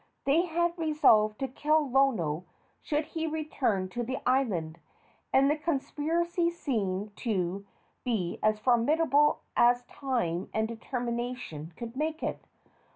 They had resolved to kill Lono should he return to the island, and the conspiracy seemed to be as formidable as time and determination could make it.